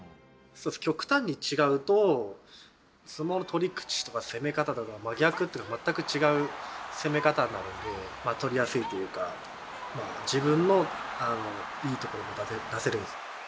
極端に違うと相撲の取り口とか攻め方とかが真逆というか全く違う攻め方になるんで取りやすいというか自分のいいところが出せる。